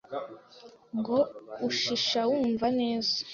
ngo ushisha wumva neza